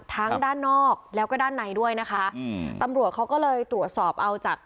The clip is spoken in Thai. ด้านนอกแล้วก็ด้านในด้วยนะคะอืมตำรวจเขาก็เลยตรวจสอบเอาจาก